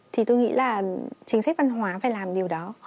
thì tôi nghĩ là chính sách văn hóa phải làm điều đó